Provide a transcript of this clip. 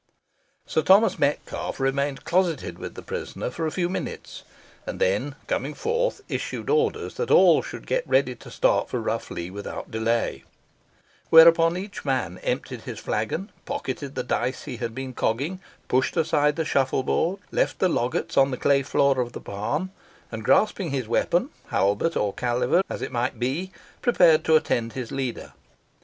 Sir Thomas Metcalfe remained closeted with the prisoner for a few minutes, and then coming forth, issued orders that all should get ready to start for Rough Lee without delay; whereupon each man emptied his flagon, pocketed the dice he had been cogging, pushed aside the shuffle board, left the loggats on the clay floor of the barn, and, grasping his weapon halbert or caliver, as it might be prepared to attend his leader.